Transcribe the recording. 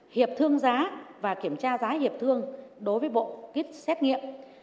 hiệp thương giá và kiểm tra giá hiệp thương đối với bộ kit xét nghiệm